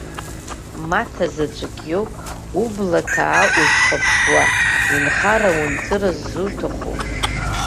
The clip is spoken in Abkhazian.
Маҭа заҵәык иоуп убла ҭаа узхәаԥшуа, унхара-унҵыра ззуҭаху.